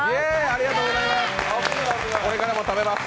ありがとうございます。